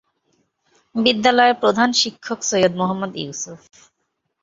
বিদ্যালয়ের প্রধান শিক্ষক সৈয়দ মোহাম্মদ ইউসুফ।